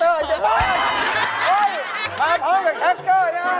เฮ่ยมาพร้อมกับแท็กเกอร์นะครับ